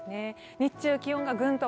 日中気温がグンと